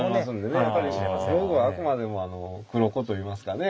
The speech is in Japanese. やっぱり表具はあくまでも黒子といいますかね